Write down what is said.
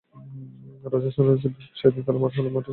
রাজস্থান রয়্যালসের বিপক্ষে সেদিন খেলা হলে মাঠে সাপ ছেড়ে দেওয়া হবে।